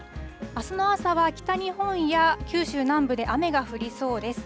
あすの朝は北日本や九州南部で雨が降りそうです。